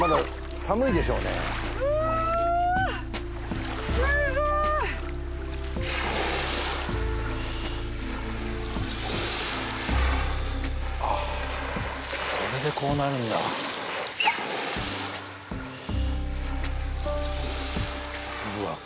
うわすごいあっそれでこうなるんだうわっ